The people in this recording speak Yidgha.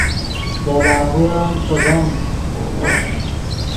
دے لاہور ام ݰیغیم